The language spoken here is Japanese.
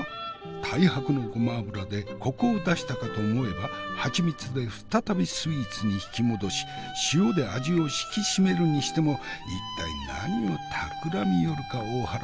太白のごま油でこくを出したかと思えばはちみつで再びスイーツに引き戻し塩で味を引き締めるにしても一体何をたくらみよるか大原よ。